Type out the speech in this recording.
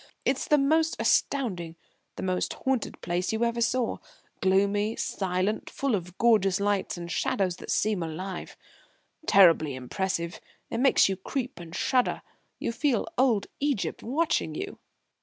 It's the most astounding, the most haunted place you ever saw, gloomy, silent, full of gorgeous lights and shadows that seem alive terribly impressive; it makes you creep and shudder. You feel old Egypt watching you."